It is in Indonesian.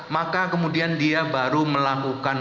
maka kemudian dia baru melakukan